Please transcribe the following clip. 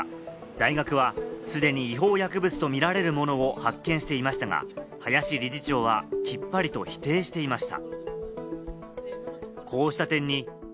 大学はすでに違法薬物とみられるものを発見していましたが、林理事長はきっぱりと否定していました。